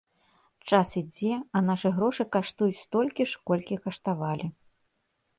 Час ідзе, а нашы грошы каштуюць столькі ж, колькі каштавалі.